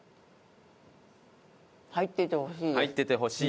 入っててほしい。